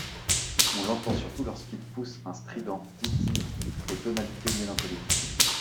On l’entend surtout lorsqu’il pousse un strident ‘tee-tee’ aux tonalités mélancoliques.